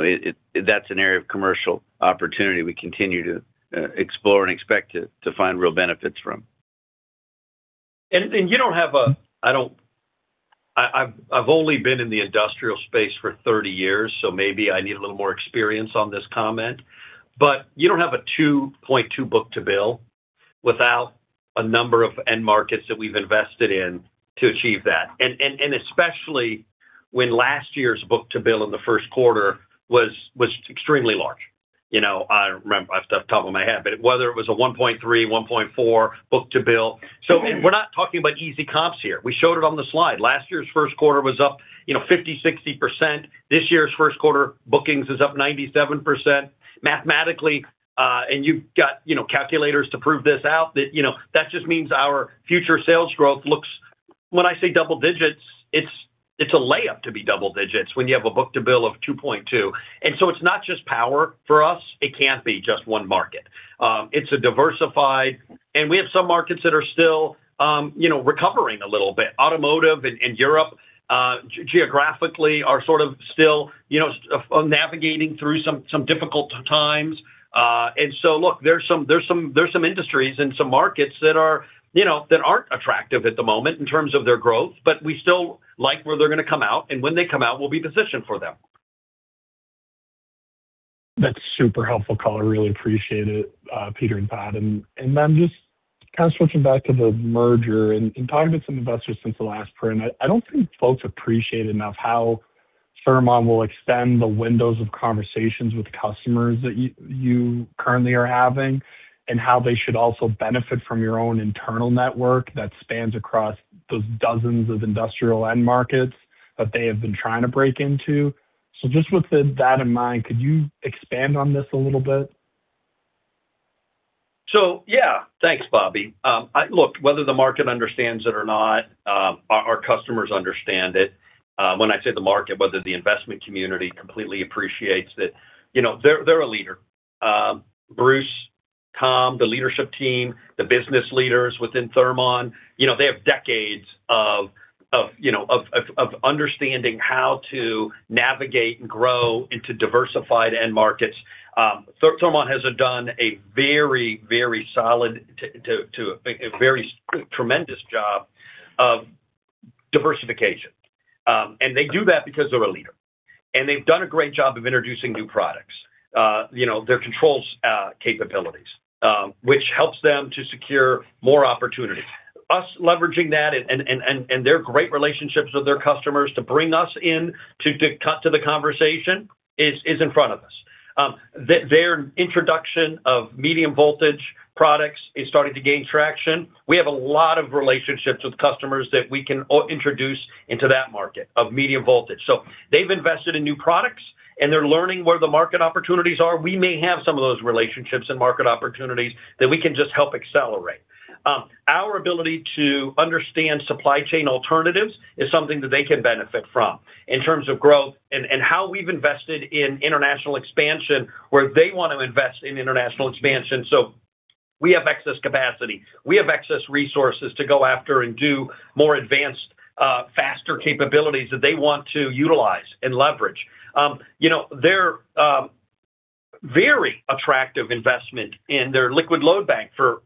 know, that's an area of commercial opportunity we continue to explore and expect to find real benefits from. You don't have a-- I've only been in the industrial space for 30 years, so maybe I need a little more experience on this comment. You don't have a 2.2x book-to-bill without a number of end markets that we've invested in to achieve that. Especially when last year's book-to-bill in the first quarter was extremely large. You know, I don't remember off the top of my head, but whether it was a 1.3x-1.4x book-to-bill. We're not talking about easy comps here. We showed it on the slide. Last year's first quarter was up, you know, 50%-60%. This year's first quarter bookings is up 97%. Mathematically, and you've got, you know, calculators to prove this out, that, you know, that just means our future sales growth looks. When I say double digits, it's a layup to be double digits when you have a book-to-bill of 2.2x. It's not just power for us. It can't be just one market. We have some markets that are still, you know, recovering a little bit. Automotive in Europe, geographically are sort of still, you know, navigating through some difficult times. Look, there's some industries and some markets that are, you know, that aren't attractive at the moment in terms of their growth, but we still like where they're going to come out. When they come out, we'll be positioned for them. That's super helpful, color. Really appreciate it, Peter and Todd. I'm just kind of switching back to the merger and talking to some investors since the last print. I don't think folks appreciate enough how Thermon will extend the windows of conversations with customers that you currently are having. And how they should also benefit from your own internal network that spans across those dozens of industrial end markets that they have been trying to break into? Just with that in mind, could you expand on this a little bit? Yeah. Thanks, Bobby. Look, whether the market understands it or not, our customers understand it. When I say the market, whether the investment community completely appreciates it, you know, they're a leader. Bruce Thames, the leadership team, the business leaders within Thermon, you know, they have decades of understanding how to navigate and grow into diversified end markets. Thermon has done a very solid to a very tremendous job of diversification. They do that because they're a leader. They've done a great job of introducing new products. You know, their controls capabilities, which helps them to secure more opportunities. Us leveraging that and their great relationships with their customers to bring us in to cut to the conversation is in front of us. Their introduction of medium voltage products is starting to gain traction. We have a lot of relationships with customers that we can introduce into that market of medium voltage. They've invested in new products, and they're learning where the market opportunities are. We may have some of those relationships and market opportunities that we can just help accelerate. Our ability to understand supply chain alternatives is something that they can benefit from in terms of growth and how we've invested in international expansion where they want to invest in international expansion. We have excess capacity. We have excess resources to go after and do more advanced, faster capabilities that they want to utilize and leverage. You know, their very attractive investment in their liquid load bank for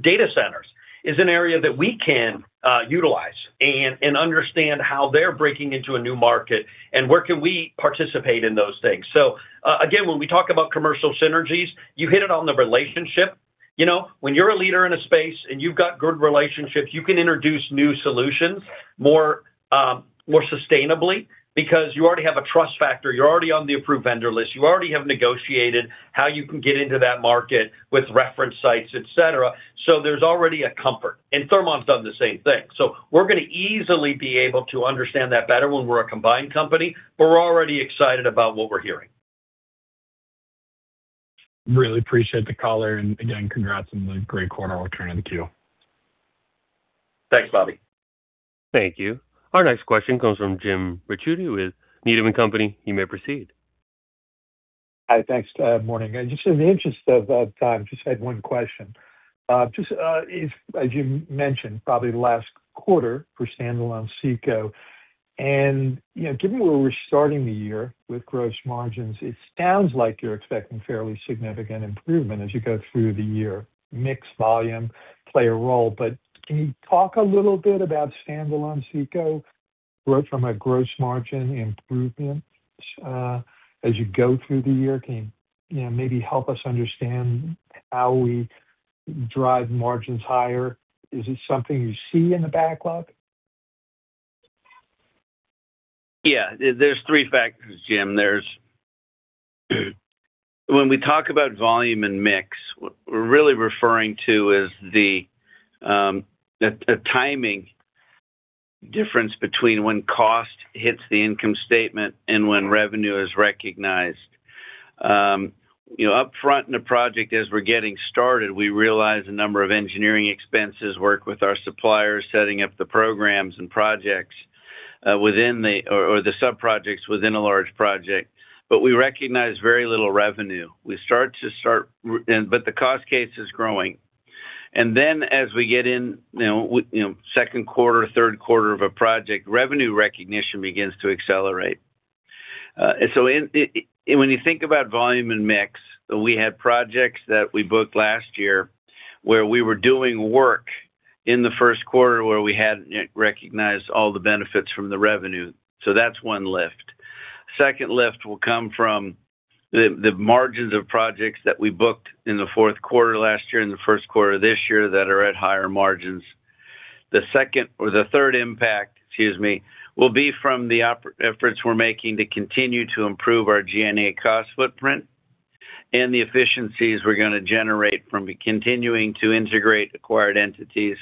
data centers is an area that we can utilize and understand how they're breaking into a new market and where can we participate in those things. Again, when we talk about commercial synergies, you hit it on the relationship. You know, when you're a leader in a space and you've got good relationships, you can introduce new solutions more sustainably because you already have a trust factor. You're already on the approved vendor list. You already have negotiated how you can get into that market with reference sites, et cetera. There's already a comfort, and Thermon's done the same thing. We're going to easily be able to understand that better when we're a combined company. We're already excited about what we're hearing. Really appreciate the color, and again, congrats on the great quarter. We'll turn it to the queue. Thanks, Bobby. Thank you. Our next question comes from Jim Ricchiuti with Needham & Company. You may proceed. Hi. Thanks. Morning. Just in the interest of time, just had one question. As you mentioned, probably the last quarter for standalone CECO. You know, given where we're starting the year with gross margins, it sounds like you're expecting fairly significant improvement as you go through the year. Mix volume play a role, but can you talk a little bit about standalone CECO growth from a gross margin improvement as you go through the year? Can, you know, maybe help us understand how we drive margins higher? Is it something you see in the backlog? Yeah. There's three factors, Jim. When we talk about volume and mix, we're really referring to is the timing difference between when cost hits the income statement and when revenue is recognized. You know, up front in the project as we're getting started, we realize a number of engineering expenses work with our suppliers setting up the programs and projects, the sub-projects within a large project. We recognize very little revenue. We start, but the cost case is growing. As we get in, you know, you know, second quarter, third quarter of a project, revenue recognition begins to accelerate. When you think about volume and mix, we had projects that we booked last year where we were doing work in the first quarter where we hadn't yet recognized all the benefits from the revenue. That's one lift. Second lift will come from the margins of projects that we booked in the fourth quarter last year and the first quarter this year that are at higher margins. The second or the third impact, excuse me, will be from the operating efforts we're making to continue to improve our G&A cost footprint and the efficiencies we're going to generate from continuing to integrate acquired entities.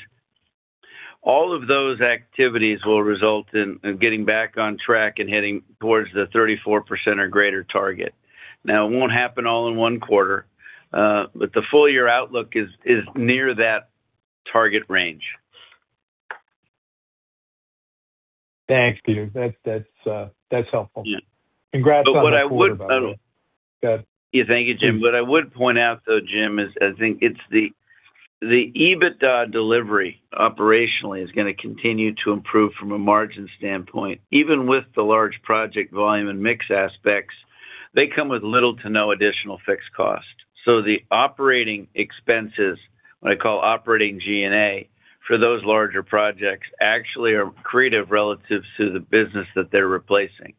All of those activities will result in getting back on track and heading towards the 34% or greater target. It won't happen all in one quarter, but the full year outlook is near that target range. Thanks, Peter. That's helpful. Yeah. Congrats on the quarter, by the way. what I would- Go ahead. Yeah. Thank you, Jim. What I would point out, though, Jim, is I think it's the EBITDA delivery operationally is going to continue to improve from a margin standpoint. Even with the large project volume and mix aspects, they come with little to no additional fixed cost. The operating expenses, what I call operating G&A, for those larger projects actually are accretive relative to the business that they're replacing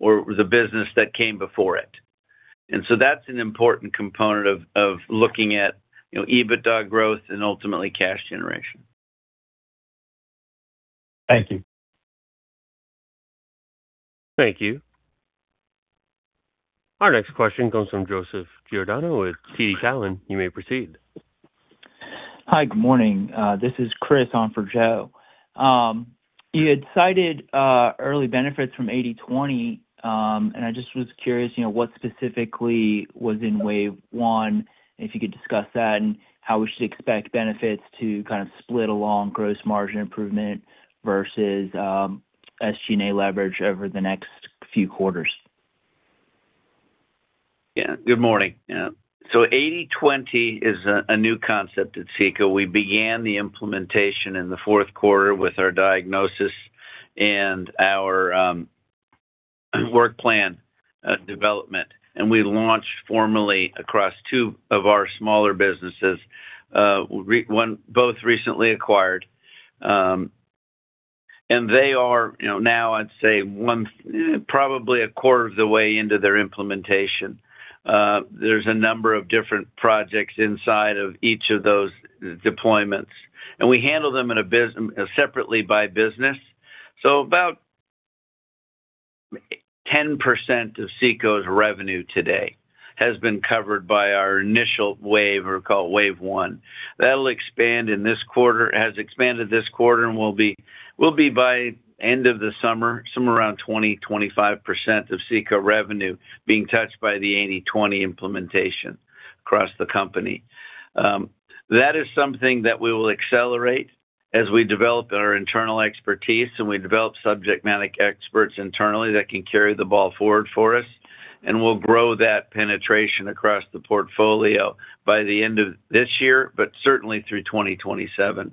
or the business that came before it. That's an important component of looking at, you know, EBITDA growth and ultimately cash generation. Thank you. Thank you. Our next question comes from Joseph Giordano with TD Cowen. You may proceed. Hi. Good morning. This is Chris on for Joe. You had cited early benefits from 80/20, and I just was curious, you know, what specifically was in Wave 1? And if you could discuss that? And how we should expect benefits to kind of split along gross margin improvement versus SG&A leverage over the next few quarters? Good morning. 80/20 is a new concept at CECO. We began the implementation in the fourth quarter with our diagnosis and our work plan development. We launched formally across two of our smaller businesses, both recently acquired. They are, you know, now I'd say one, probably a quarter of the way into their implementation. There's a number of different projects inside of each of those deployments. We handle them separately by business. About 10% of CECO's revenue today has been covered by our initial wave, or call it Wave 1. That'll expand in this quarter, has expanded this quarter, and will be by end of the summer, somewhere around 20%-25% of CECO revenue being touched by the 80/20 implementation across the company. That is something that we will accelerate as we develop our internal expertise and we develop subject matter experts internally that can carry the ball forward for us. We'll grow that penetration across the portfolio by the end of this year, but certainly through 2027.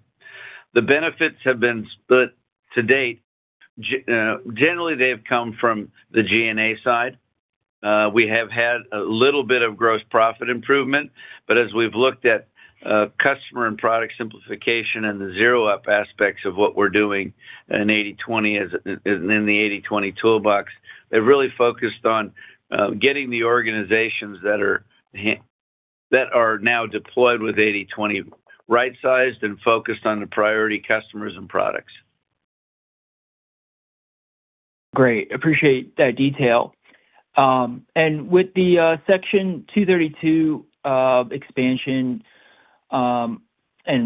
The benefits have been to date, generally, they have come from the G&A side. We have had a little bit of gross profit improvement, but as we've looked at, customer and product simplification and the zero up aspects of what we're doing in 80/20 is in the 80/20 toolbox, they're really focused on, getting the organizations that are now deployed with 80/20 right-sized and focused on the priority customers and products. Great. Appreciate that detail. With the Section 232 expansion and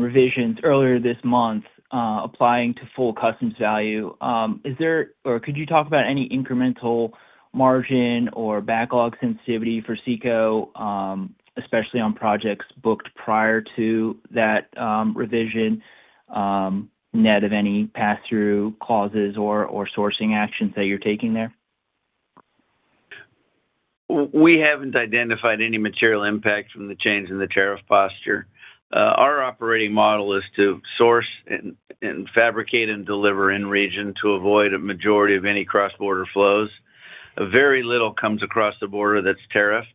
revisions earlier this month, applying to full customs value, could you talk about any incremental margin or backlog sensitivity for CECO, especially on projects booked prior to that revision, net of any pass-through clauses or sourcing actions that you're taking there? We haven't identified any material impact from the change in the tariff posture. Our operating model is to source and fabricate and deliver in region to avoid a majority of any cross-border flows. A very little comes across the border that's tariffed.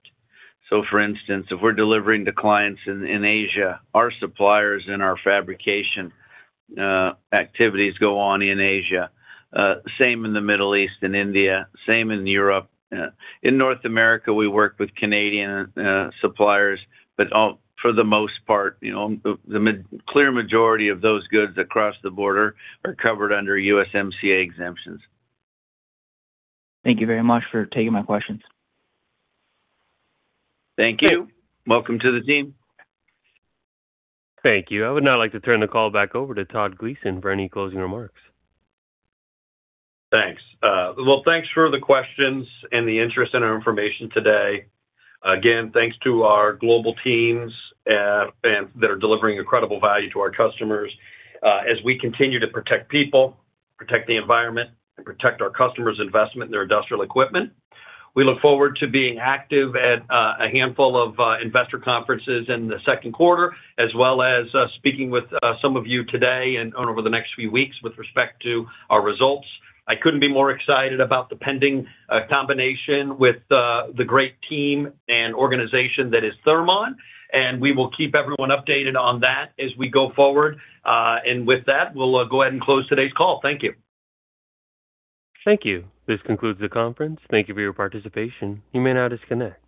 For instance, if we're delivering to clients in Asia, our suppliers and our fabrication activities go on in Asia. Same in the Middle East and India, same in Europe. In North America, we work with Canadian suppliers, for the most part, you know, the clear majority of those goods across the border are covered under USMCA exemptions. Thank you very much for taking my questions. Thank you. Welcome to the team. Thank you. I would now like to turn the call back over to Todd Gleason for any closing remarks. Thanks. Well, thanks for the questions and the interest in our information today. Again, thanks to our global teams, and that are delivering incredible value to our customers, as we continue to protect people, protect the environment, and protect our customers' investment in their industrial equipment. We look forward to being active at a handful of investor conferences in the second quarter, as well as speaking with some of you today and over the next few weeks with respect to our results. I couldn't be more excited about the pending combination with the great team and organization that is Thermon, and we will keep everyone updated on that as we go forward. With that, we'll go ahead and close today's call. Thank you. Thank you. This concludes the conference. Thank you for your participation. You may now disconnect.